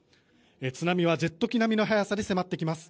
津波はジェット機並みの速さで迫ってきます。